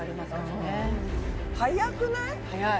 速くない？